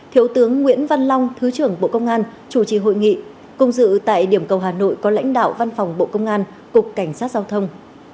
thiếu tướng nguyễn văn long thứ trưởng bộ công an chủ trì hội nghị cùng dự tại điểm cầu hà nội có lãnh đạo văn phòng bộ công an cục cảnh sát giao thông